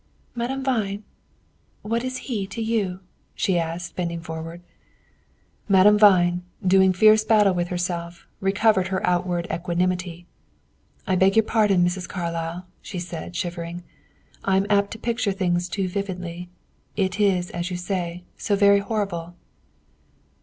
"Madame Vine, what is he to you?" she asked, bending forward. Madame Vine, doing fierce battle with herself, recovered her outward equanimity. "I beg your pardon, Mrs. Carlyle," she said, shivering; "I am apt to picture things too vividly. It is, as you say, so very horrible."